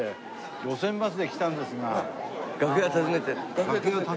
『路線バス』で来たんですが。